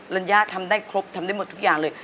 ลัญญาทำได้ครบทำได้หมดทุกอย่างเลย